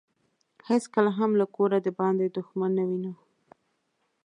هیڅکله هم له کوره دباندې دښمن نه وينو.